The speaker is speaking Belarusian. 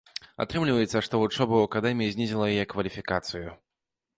Атрымліваецца, што вучоба ў акадэміі знізіла яе кваліфікацыю.